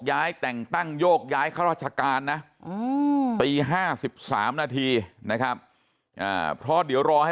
ย้ายแต่งตั้งโยกย้ายข้าราชการนะตี๕๓นาทีนะครับเพราะเดี๋ยวรอให้